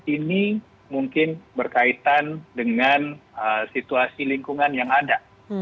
ini mungkin berkaitan dengan situasi lingkungan yang ada